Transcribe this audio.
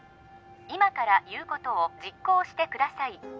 今から言うことを実行してください